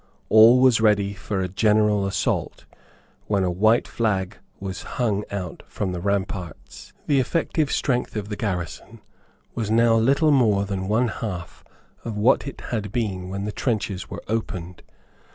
All was ready for a general assault, when a white flag was hung out from the ramparts. The effective strength of the garrison was now little more than one half of what it had been when the trenches were opened.